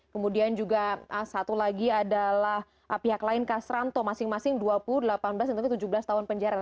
kemudian juga satu lagi adalah pihak lain kas ranto masing masing dua puluh delapan belas tentunya tujuh belas tahun penjara